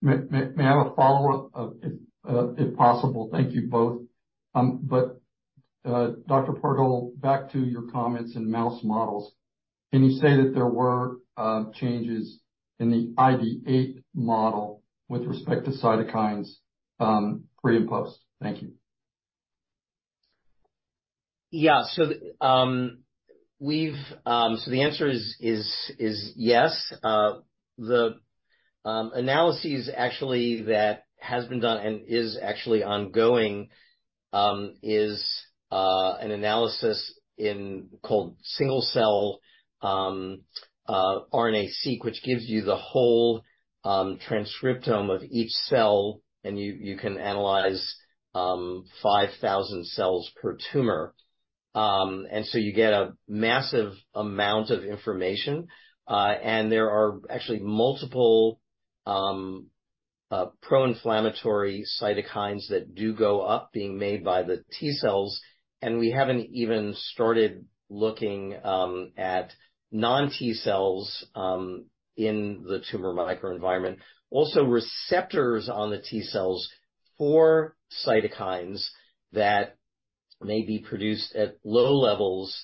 May I have a follow-up, if possible? Thank you both. Dr. Pardoll, back to your comments in mouse models. Can you say that there were changes in the ID8 model with respect to cytokines, pre and post? Thank you. The answer is yes. The analyses actually that has been done and is actually ongoing is an analysis called single-cell RNA-seq, which gives you the whole transcriptome of each cell, and you can analyze 5,000 cells per tumor. You get a massive amount of information, and there are actually multiple pro-inflammatory cytokines that do go up being made by the T cells, and we haven't even started looking at non-T cells in the tumor microenvironment. Also, receptors on the T cells for cytokines that may be produced at low levels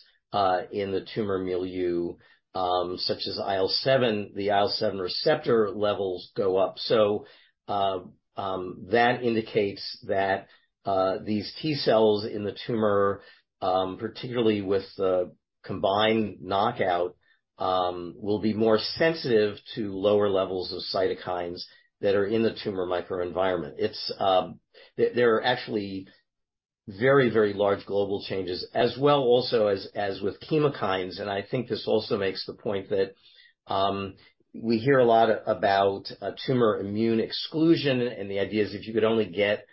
in the tumor milieu, such as IL-7, the IL-7 receptor levels go up. That indicates that these T cells in the tumor, particularly with the combined knockout, will be more sensitive to lower levels of cytokines that are in the tumor microenvironment. It's there are actually very, very large global changes as well also as with chemokines. I think this also makes the point that we hear a lot about a tumor immune exclusion, and the idea is if you could only get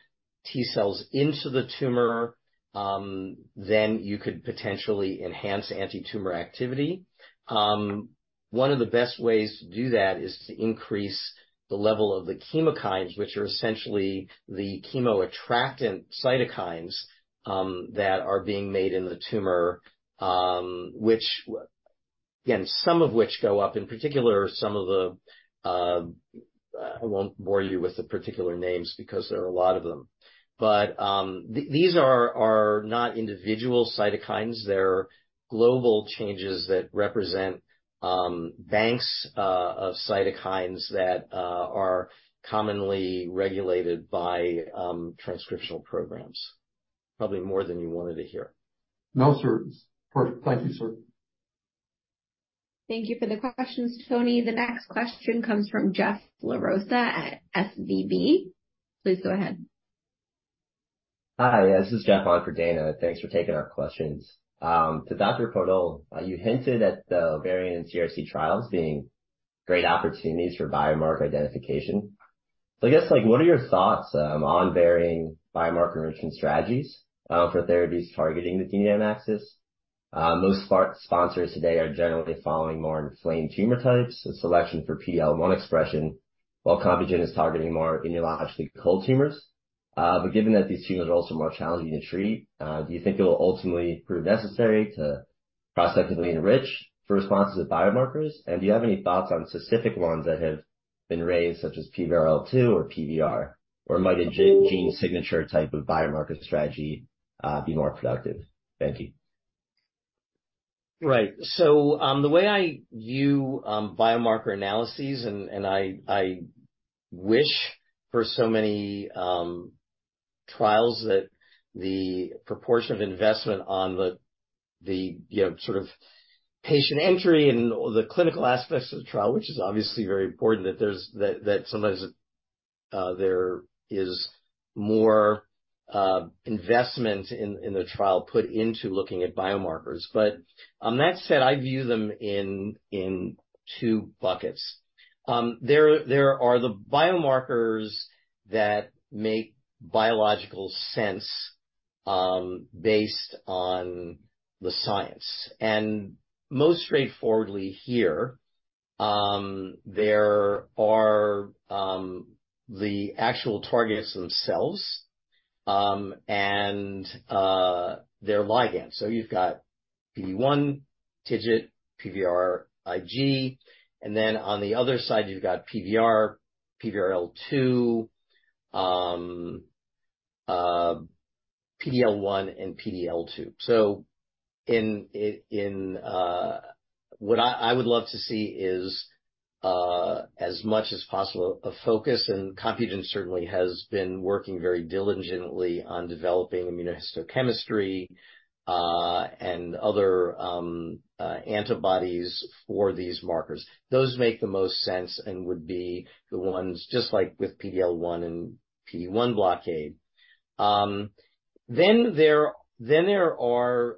T cells into the tumor, then you could potentially enhance antitumor activity. one of the best ways to do that is to increase the level of the chemokines, which are essentially the chemoattractant cytokines, that are being made in the tumor, which again, some of which go up, in particular some of the-I won't bore you with the particular names because there are a lot of them. These are not individual cytokines. They're global changes that represent banks of cytokines that are commonly regulated by transcriptional programs. Probably more than you wanted to hear. No, sir. It's perfect. Thank you, sir. Thank you for the questions, Tony. The next question comes from Jeff LaRosa at SVB. Please go ahead. Hi, this is Jeff on for Dana. Thanks for taking our questions. To Dr. Pardoll, you hinted at the ovarian CRC trials being great opportunities for biomarker identification. I guess, like what are your thoughts on varying biomarker enrichment strategies for therapies targeting the GDAM-1 axis? Most sponsors today are generally following more inflamed tumor types and selection for PD-L1 expression, while Compugen is targeting more immunologically cold tumors. Given that these tumors are also more challenging to treat, do you think it will ultimately prove necessary to prospectively enrich for responses of biomarkers? Do you have any thoughts on specific ones that have been raised, such as PVRL2 or PVR? Might a gene signature type of biomarker strategy be more productive? Thank you. The way I view biomarker analyses and I wish for so many trials that the proportion of investment on the, you know, sort of patient entry and all the clinical aspects of the trial, which is obviously very important, that sometimes there is more investment in the trial put into looking at biomarkers. That said, I view them in two buckets. There are the biomarkers that make biological sense based on the science. Most straightforwardly here, there are the actual targets themselves and their ligands. You've got PD-1, TIGIT, PVRIG, and then on the other side you've got PVR, PVRL2, PD-L1 and PD-L2. What I would love to see is as much as possible a focus, and Compugen certainly has been working very diligently on developing immunohistochemistry and other antibodies for these markers. Those make the most sense and would be the ones, just like with PD-L1 and PD-1 blockade. Then there are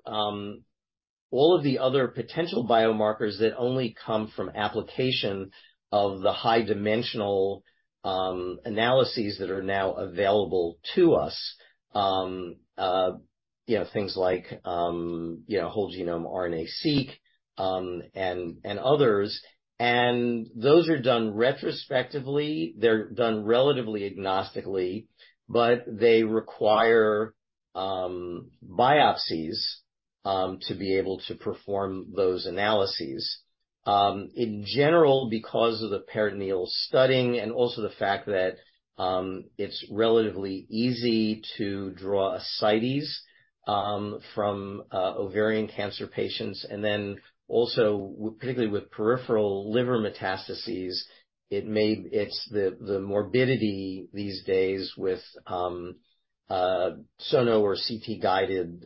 all of the other potential biomarkers that only come from application of the high dimensional analyses that are now available to us. you know, things like, you know, whole transcriptome sequencing and others. Those are done retrospectively, they're done relatively agnostically, but they require biopsies to be able to perform those analyses. In general, because of the peritoneal studying and also the fact that it's relatively easy to draw ascites from Ovarian Cancer patients, and then also particularly with peripheral liver metastases, the morbidity these days with sono or CT-guided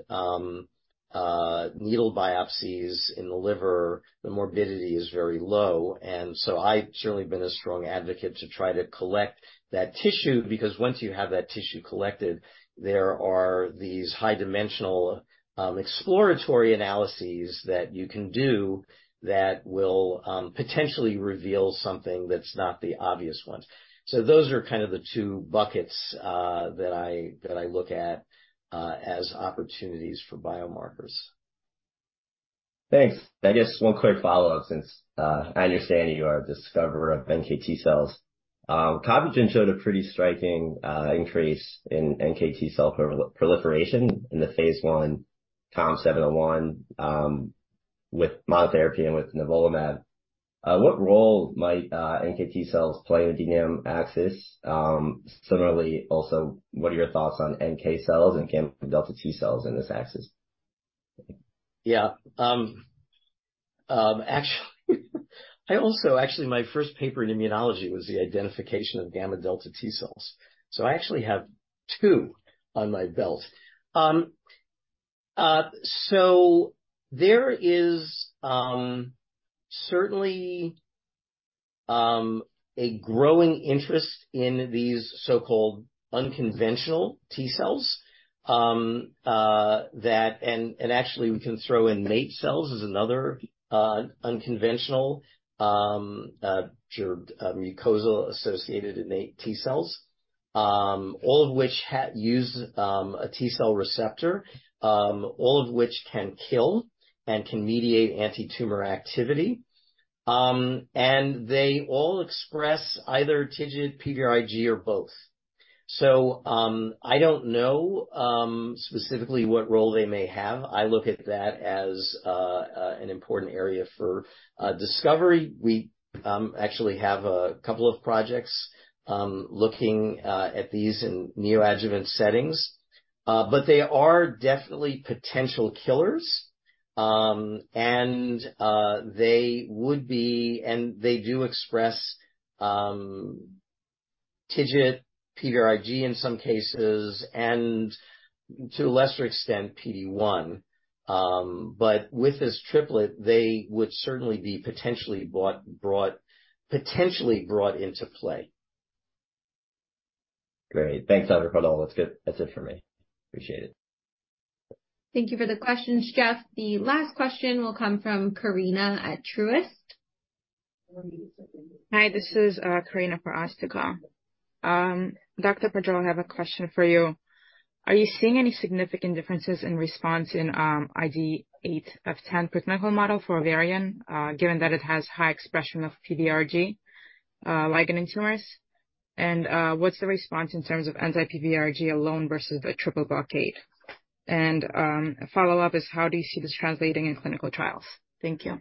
needle biopsies in the liver. The morbidity is very low. I've certainly been a strong advocate to try to collect that tissue, because once you have that tissue collected, there are these high dimensional exploratory analyses that you can do that will potentially reveal something that's not the obvious ones. Those are kind of the two buckets that I look at, as opportunities for biomarkers. Thanks. I guess one quick follow-up, since I understand you are a discoverer of NKT cells. Compugen showed a pretty striking increase in NKT cell proliferation in the phase 1 COM701, with Monotherapy and with nivolumab. What role might NKT cells play in the GDNF axis? Similarly, also, what are your thoughts on NK cells and gamma delta T cells in this axis? Yeah. Actually, my first paper in immunology was the identification of gamma delta T cells. I actually have two on my belt. There is certainly a growing interest in these so-called unconventional T cells. And actually we can throw in innate cells as another unconventional, sure, MAIT cells, all of which use a T-cell receptor, all of which can kill and can mediate anti-tumor activity. And they all express either TIGIT, PVRIG or both. I don't know specifically what role they may have. I look at that as an important area for discovery. We actually have a couple of projects looking at these in neoadjuvant settings. They are definitely potential killers, and they do express, TIGIT, PVRIG in some cases, and to a lesser extent PD-1. With this triplet they would certainly be potentially brought into play. Great. Thanks, Andrew, for all. That's good. That's it for me. Appreciate it. Thank you for the question, Jeff. The last question will come from Karina at Truist. Hi, this is Karina for Asthika. Dr. Pardoll, I have a question for you. Are you seeing any significant differences in response in ID8 pre-clinical model for ovarian given that it has high expression of PVRIG ligand and tumors? What's the response in terms of anti-PVRIG alone versus a triple blockade? A follow-up is, how do you see this translating in clinical trials? Thank you.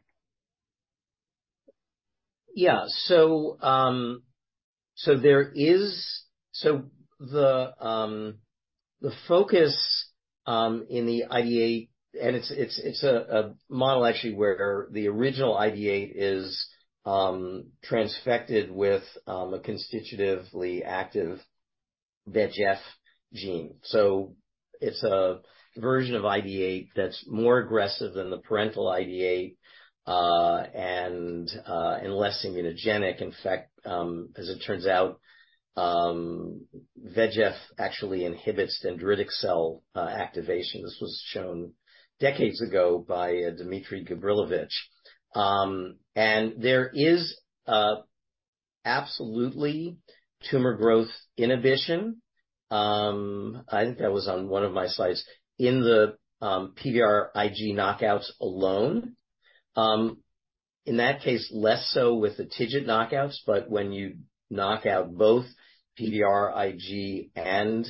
The focus in the ID8, and it's a model actually where the original ID8 is transfected with a constitutively active VEGF gene. It's a version of ID8 that's more aggressive than the parental ID8 and less immunogenic. In fact, as it turns out, VEGF actually inhibits dendritic cell activation. This was shown decades ago by Dmitry Gabrilovich. There is absolutely tumor growth inhibition, I think that was on one of my slides, in the PVRIG knockouts alone. In that case, less so with the TIGIT knockouts, but when you knock out both PVRIG and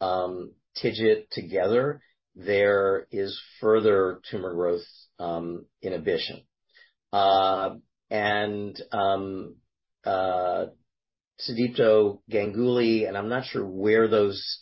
TIGIT together, there is further tumor growth inhibition. Sudipto Ganguly, and I'm not sure where those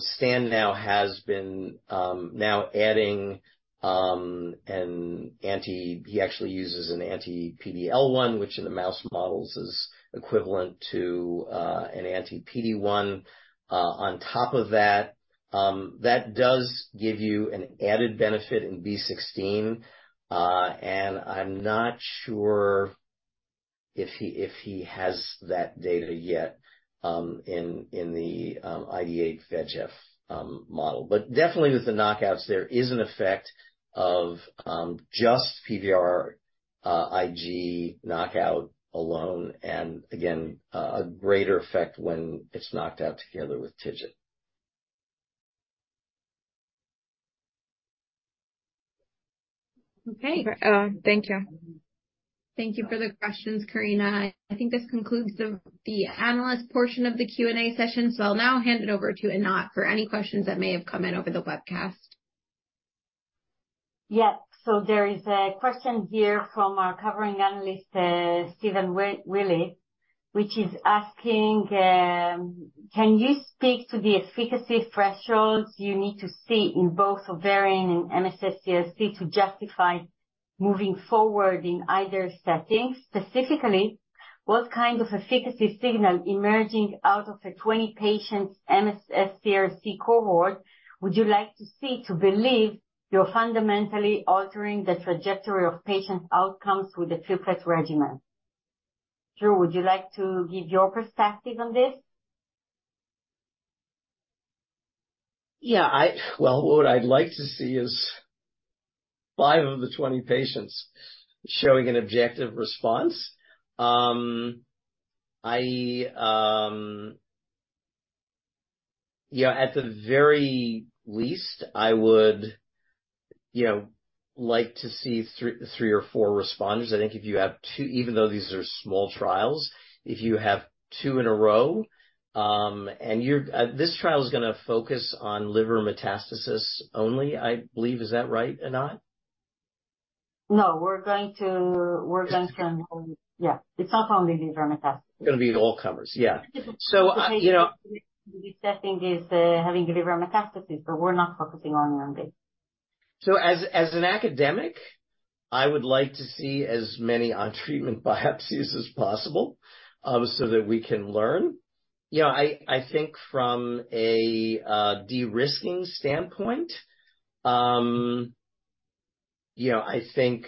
stand now, has been now adding He actually uses an anti-PD-L1, which in the mouse models is equivalent to an anti-PD-1 on top of that. That does give you an added benefit in B16-F10. I'm not sure if he, if he has that data yet, in the ID8 VEGF model. Definitely with the knockouts there is an effect of just PVRIG knockout alone, and again, a greater effect when it's knocked out together with TIGIT. Okay. Thank you. Thank you for the questions, Karina. I think this concludes the Analyst portion of the Q&A session. I'll now hand it over to Anat for any questions that may have come in over the webcast. Yes. There is a question here from our covering Analyst, Stephen Willey, which is asking, "Can you speak to the efficacy thresholds you need to see in both ovarian and MSS CRC to justify moving forward in either setting? Specifically, what kind of efficacy signal emerging out of a 20-patient MSS CRC cohort would you like to see to believe you're fundamentally altering the trajectory of patient outcomes with the triplet regimen?" Drew, would you like to give your perspective on this? Yeah. Well, what I'd like to see is five of the 20 patients showing an objective response. I... Yeah, at the very least, I would, you know, like to see three or four responders. I think if you have two-- even though these are small trials, if you have two in a row, and you're-- This trial is gonna focus on liver metastasis only, I believe. Is that right, Anat? No, we're going to. Yeah. It's not only liver metastasis. Gonna be the all comers. Yeah. You know- The setting is, having liver metastasis, but we're not focusing only on this. As an academic, I would like to see as many on treatment biopsies as possible, so that we can learn. You know, I think from a de-risking standpoint, you know, I think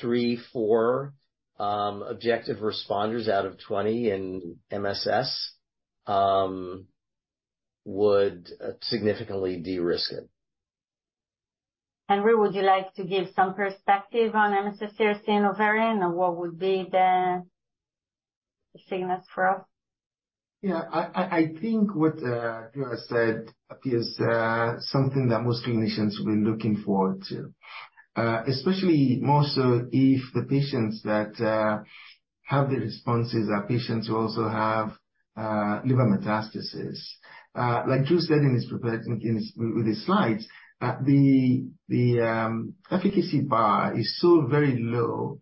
three, four objective responders out of 20 in MSS would significantly de-risk it. Henry, would you like to give some perspective on MSS CRC and ovarian, or what would be the signals for us? Yeah, I think what Drew has said is something that most clinicians will be looking forward to. Especially more so if the patients that have the responses are patients who also have liver metastasis. Like Drew said in his, with his slides. The efficacy bar is so very low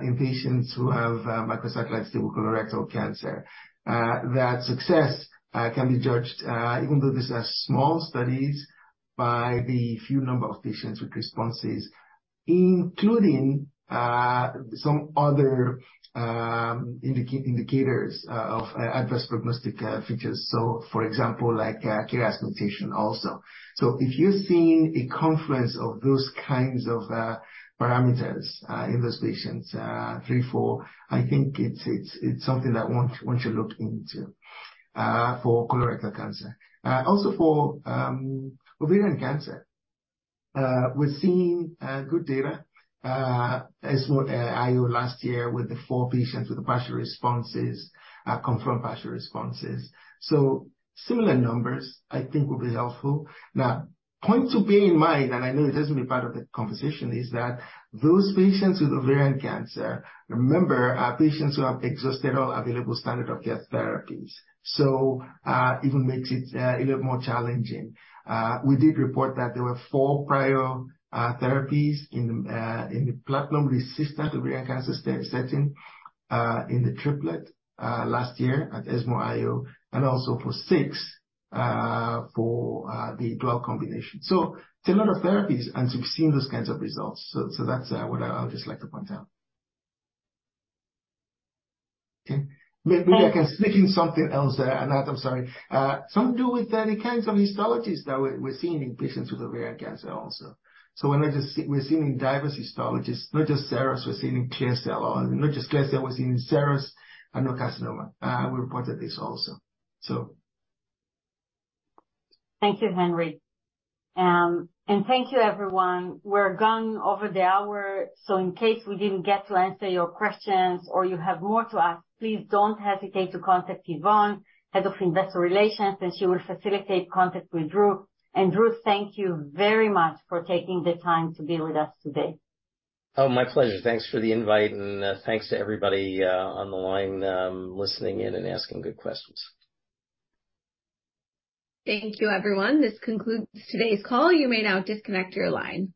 in patients who have Microsatellite stable colorectal cancer. That success can be judged, even though these are small studies, by the few number of patients with responses, including some other indicators of adverse prognostic features. For example, like KRAS mutation also. If you're seeing a confluence of those kinds of parameters in those patients, three, four, I think it's something that one should look into for colorectal cancer. Also for Ovarian Cancer. We're seeing good data as well at IO last year with the four patients with the partial responses, confirmed partial responses. Similar numbers I think will be helpful. Now, point to bear in mind, and I know it hasn't been part of the conversation, is that those patients with Ovarian Cancer, remember, are patients who have exhausted all available standard of care therapies. Even makes it even more challenging. We did report that there were four prior therapies in the platinum-resistant Ovarian Cancer setting, in the triplet last year at ESMO IO and also for six for the dual combination. It's a lot of therapies, and so we've seen those kinds of results. That's what I would just like to point out. Okay. Maybe I can sneak in something else there, Anat. I'm sorry. Something to do with the kinds of histologies that we're seeing in patients with Ovarian Cancer also. We're seeing diverse histologies, not just serous, we're seeing clear cell, or not just clear cell, we're seeing serous and mucinous. We reported this also. Thank you, Henry. Thank you, everyone. We're going over the hour, so in case we didn't get to answer your questions or you have more to ask, please don't hesitate to contact Yvonne, Head of Investor Relations, and she will facilitate contact with Drew. Drew, thank you very much for taking the time to be with us today. Oh, my pleasure. Thanks for the invite. Thanks to everybody on the line listening in and asking good questions. Thank you, everyone. This concludes today's call. You may now disconnect your line.